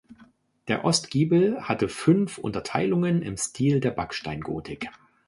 Der Ostgiebel hatte fünf Unterteilungen im Stil der Backsteingotik.